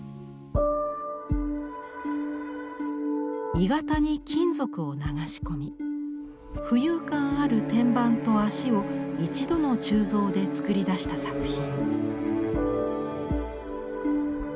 鋳型に金属を流し込み浮遊感ある天板と脚を一度の鋳造で作り出した作品。